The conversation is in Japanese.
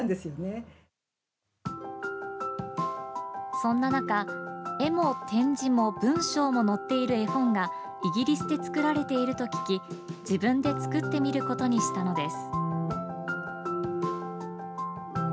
そんな中、絵も点字も文章も載っている絵本がイギリスで作られていると聞き自分で作ってみることにしたのです。